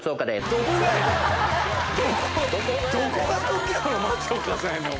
どこがＴＯＫＩＯの松岡さんやねん！